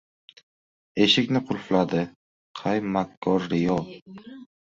Eshikni qulfladi qay makkor riyo?